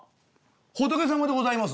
「仏様でございます」。